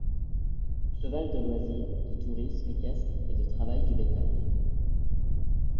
Cheval de loisir, de tourisme équestre et de travail du bétail.